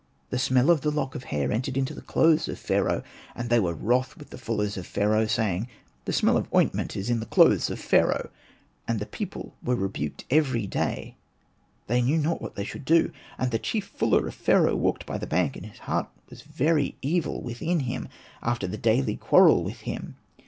The smell of the lock of hair entered into the clothes of Pharaoh ; and they were wroth with the fullers of Pharaoh, saying, ''The smell of ointment is in the clothes of Pharaoh." And the people were rebuked every day, they knew not what they THE RAVISHING SEA should do. And the chief fuller of Pharaoh walked by the bank, and his heart was very evil within him after the daily quarrel with him.